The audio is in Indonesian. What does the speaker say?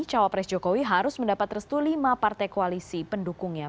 cawapres jokowi harus mendapat restu lima partai koalisi pendukungnya